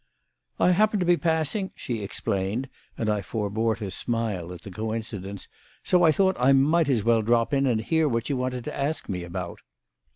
"I happened to be passing," she explained, and I forbore to smile at the coincidence, "so I thought I might as well drop in and hear what you wanted to ask me about."